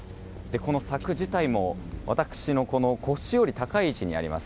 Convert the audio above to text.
この柵自体も私の腰より高い位置にあります。